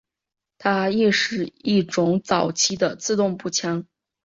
它亦是一种早期的自动步枪。